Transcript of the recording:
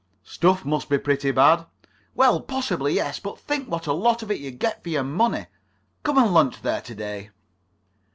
"Stuff must be pretty bad." "Well, possibly yes. But think what a lot of it you get for your money. Come and lunch there to day."